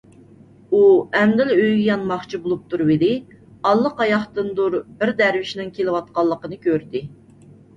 ئۇ ئەمدىلا ئۆيىگە يانماقچى بولۇپ تۇرۇۋىدى، ئاللىقاياقتىندۇر بىر دەرۋىشنىڭ كېلىۋاتقانلىقىنى كۆردى.